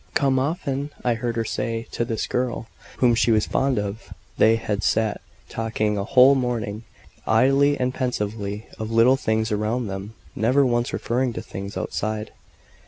"Come often," I heard her say to this girl, whom she was fond of: they had sat talking a whole morning idly and pensively; of little things around them, never once referring to things outside.